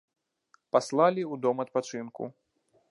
Паслалі ў дом адпачынку.